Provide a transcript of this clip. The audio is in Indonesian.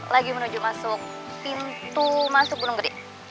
lagi menuju masuk pintu masuk gunung gede